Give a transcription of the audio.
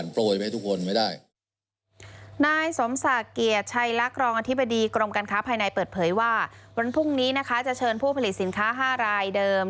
วันพรุ่งนี้จะเชิญผู้ผลิตสินค้า๕รายเดิม